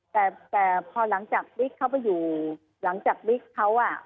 แต่แต่พอหลังจากวิกเขาไปอยู่หลังจากวิกเขาอ่ะ